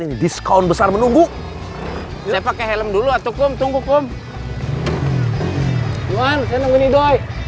ini diskaun besar menunggu pakai helm dulu atau kum tunggu kum jualan menunggu nido